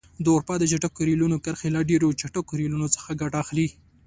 د اروپا د چټکو ریلونو کرښې له ډېرو چټکو ریلونو څخه ګټه اخلي.